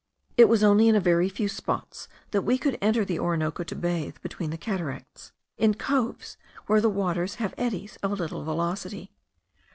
It was only in a very few spots that we could enter the Orinoco to bathe, between the two cataracts, in coves where the waters have eddies of little velocity.